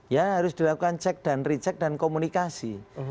ya harus dilakukan cek dan re cek dan komunikasi